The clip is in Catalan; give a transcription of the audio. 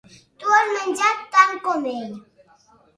Tu has menjat tant com ell.